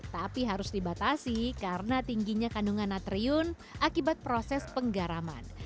tapi harus dibatasi karena tingginya kandungan atrium akibat proses penggaraman